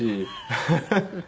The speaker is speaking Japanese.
ハハハ。